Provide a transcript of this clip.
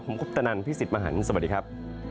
ผมคุปตะนันพี่สิทธิ์มหันฯสวัสดีครับ